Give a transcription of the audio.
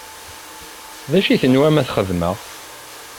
D acu i tenwam ad t-xedmeɣ?